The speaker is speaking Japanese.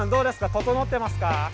整ってますか？